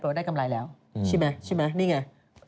แปลว่าได้กำไรแล้วใช่ไหมนี่ไง